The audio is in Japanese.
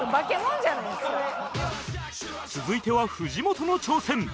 続いては藤本の挑戦